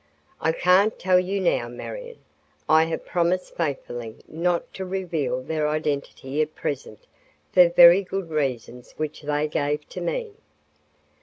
"I can't tell you now, Marion. I have promised faithfully not to reveal their identity at present for very good reasons which they gave to me."